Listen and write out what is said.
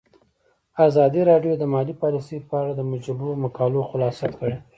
ازادي راډیو د مالي پالیسي په اړه د مجلو مقالو خلاصه کړې.